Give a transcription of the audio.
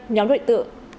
nhiều đường dây